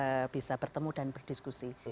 jika kita bisa bertemu dan berdiskusi